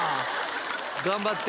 頑張って！